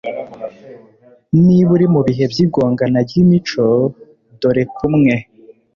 niba uri mu bihe by igongana ry imico dore kumwe